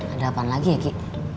ada apaan lagi ya kik